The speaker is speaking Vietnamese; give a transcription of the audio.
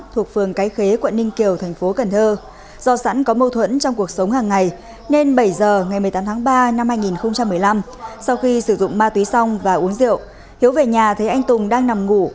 thuộc phường cái khế quận ninh kiều thành phố cần thơ do sẵn có mâu thuẫn trong cuộc sống hàng ngày nên bảy giờ ngày một mươi tám tháng ba năm hai nghìn một mươi năm sau khi sử dụng ma túy xong và uống rượu hiếu về nhà thấy anh tùng đang nằm ngủ